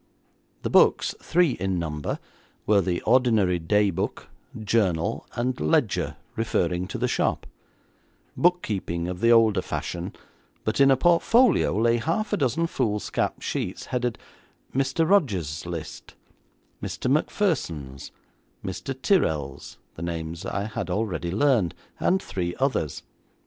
The books, three in number, were the ordinary day book, journal, and ledger referring to the shop; book keeping of the older fashion; but in a portfolio lay half a dozen foolscap sheets, headed 'Mr. Rogers's List', 'Mr. Macpherson's', 'Mr Tyrrel's', the names I had already learned, and three others.